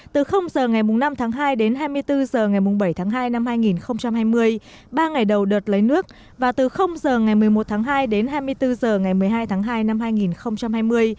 từ h ngày năm tháng hai đến hai mươi bốn h ngày bảy tháng hai năm hai nghìn hai mươi ba ngày đầu đợt lấy nước và từ h ngày một mươi một tháng hai đến hai mươi bốn h ngày một mươi hai tháng hai năm hai nghìn hai mươi